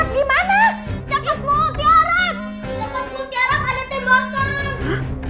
lepas ku tiara ada tembakan